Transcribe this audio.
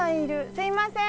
すいません！